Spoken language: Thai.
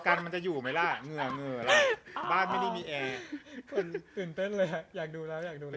เอากันจะอยู่ไหมละเหงื่อบ้านไม่มีแอร์